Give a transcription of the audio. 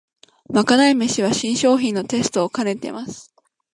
まかない飯は新商品のテストをかねてます